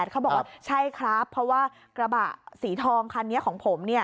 เขาบอกว่าใช่ครับเพราะว่ากระบะสีทองคันนี้ของผม